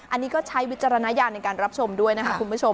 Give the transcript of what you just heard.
อันนี้ก็ใช้วิจารณญาณในการรับชมด้วยนะคะคุณผู้ชม